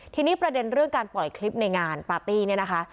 ทีนี้ประเด็นเรื่องการปล่อยคลิปในงานปาร์ตี้เนี่ยนะคะ